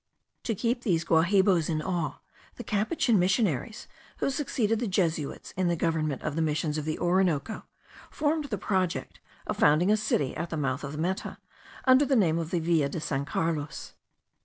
To keep these Guahibos in awe, the Capuchin missionaries, who succeeded the Jesuits in the government of the Missions of the Orinoco, formed the project of founding a city at the mouth of the Meta, under the name of the Villa de San Carlos.